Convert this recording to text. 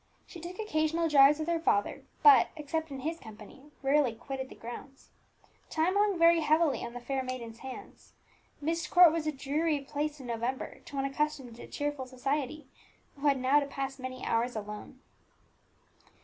She took occasional drives with her father, but, except in his company, rarely quitted the grounds. Time hung very heavily on the fair maiden's hands; Myst Court was a dreary place in November to one accustomed to cheerful society, who had now to pass many hours alone.